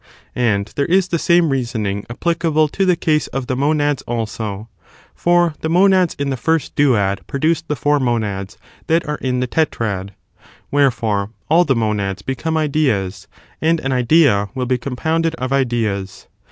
11. Confirmed ^^^ there is the same reasoning applicable to tvomthecaseof the case of the monads also, for the monads in monads. ^j^^ g^^ dusA produce the four monads that aro in the tetrad. Wherefore, all the monads become ideas, and an idea will be compounded of ideas.